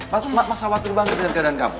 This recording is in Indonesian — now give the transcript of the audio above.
mas mas sawatu dibantu ke keadaan kamu